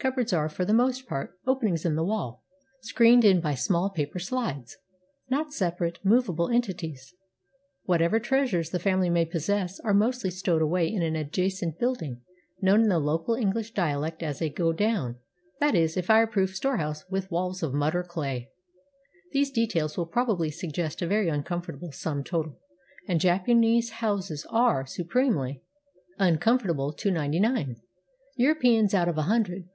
Cupboards are, for the most part, openings in the wall, screened in by small paper slides — not separate, movable entities. Whatever treasures the family may possess are mostly stowed away in an adja cent building, known in the local English dialect as a "godown," that is, a fireproof storehouse with walls of mud or clay. These details will probably suggest a very uncomfort able sum total; and Japanese houses are supremely uncomfortable to ninety nine Europeans out of a hun dred.